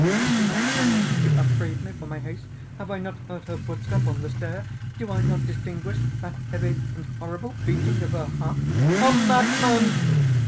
Is she not hurrying to upbraid me for my haste? Have I not heard her footstep on the stair? Do I not distinguish that heavy and horrible beating of her heart? Madman!"